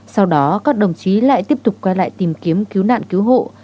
sau đó các đồng chí lại tiếp tục quay lại tìm kiếm cứu nạn cứu hộ